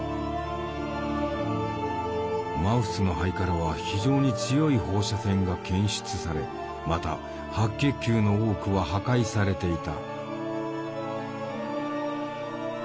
マウスの肺からは非常に強い放射線が検出されまた白血球の多くは破壊されていた。